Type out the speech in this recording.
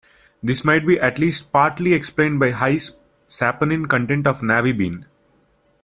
This might be at least partly explained by high saponin content of navy bean.